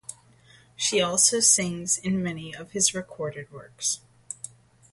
He also sings in many of his recorded works.